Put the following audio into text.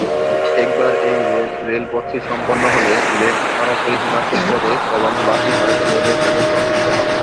একবার এই রেল রেলপথটি সম্পন্ন হলে, লেহ সরাসরি হিমাচল প্রদেশ এবং বাকি ভারতের রেলওয়ের সাথে সংযুক্ত হবে।